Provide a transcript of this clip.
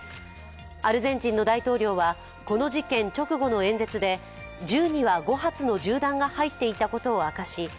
アルゼンチンの大統領はこの事件直後の演説で銃には５発の銃弾が入っていたことを明かし